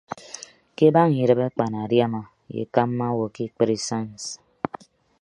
Ke abaña idịb akpanadiama ye akamba awo ke ekpri sais.